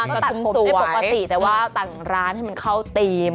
ก็ตัดผมให้ปกติแต่ว่าต่างร้านให้เข้าทีม